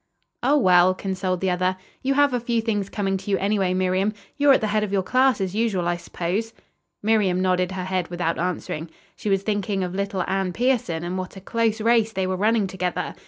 "Oh, well," consoled the other, "you have a few things coming to you anyway, Miriam. You're at the head of your class, as usual, I suppose?" Miriam nodded her head without answering. She was thinking of little Anne Pierson and what a close race they were running together.